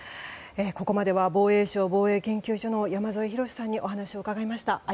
ここまでは防衛省防衛研究所の山添博史さんにお話を伺いました。